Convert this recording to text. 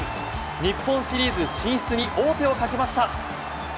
日本シリーズ進出に王手をかけました。